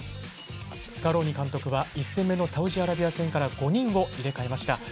スカローニ監督は１戦目のサウジアラビア戦から５人を入れ替えました。